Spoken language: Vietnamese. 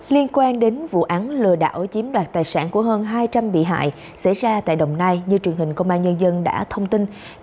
liên quan đến vụ án lừa đảo chiếm đoạt tài sản của hơn hai trăm linh bị hại xảy ra tại đồng nai như truyền hình công an nhân dân đã thông tin